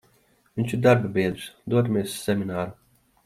Vinš ir darbabiedrs, dodamies uz semināru.